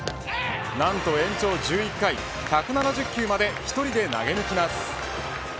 なんと延長１１回１７０球まで１人で投げ抜きます。